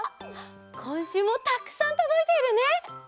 こんしゅうもたくさんとどいているね！